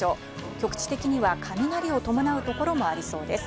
局地的には雷を伴うところもありそうです。